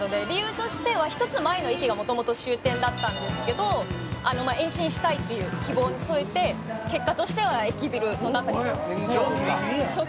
「理由としては１つ前の駅がもともと終点だったんですけど延伸したいっていう希望に沿って結果としては駅ビルの中に」